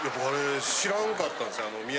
あれ知らんかったんですね。